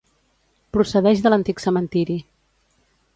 Procedeix de l'antic cementiri.